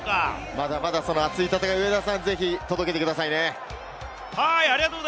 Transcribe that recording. まだまだ熱い戦い、上田さん届けてくださいね。